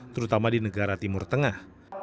terutama di negara timur tengah